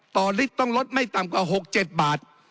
ต่อฤทธิ์ต้องลดไม่ต่ำกว่า๖๗บาท